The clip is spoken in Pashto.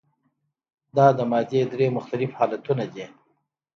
دا د مادې درې مختلف حالتونه دي.